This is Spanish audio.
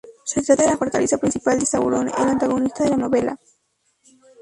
Se trata de la fortaleza principal de Sauron, el antagonista de la novela.